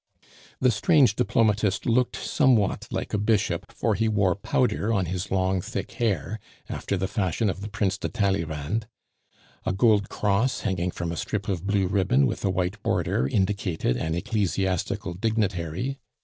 The strange diplomatist looked somewhat like a bishop, for he wore powder on his long, thick hair, after the fashion of the Prince de Talleyrand; a gold cross, hanging from a strip of blue ribbon with a white border, indicated an ecclesiastical dignitary.